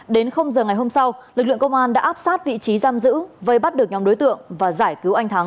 đến giờ ngày hôm sau lực lượng công an đã áp sát vị trí giam giữ vây bắt được nhóm đối tượng và giải cứu anh thắng